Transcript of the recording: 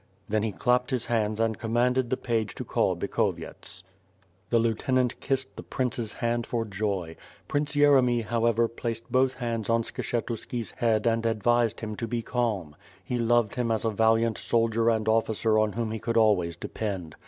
Then he clapped his hands and commanded the page to call Bikhovyets. The lieutenant kissed the prince's hand for joy. Prince Yeremy, however, placed both hands on Skshetuski's head and advised him to be calm. He loved him as a valiant sol dier and officer on whom he could always depend.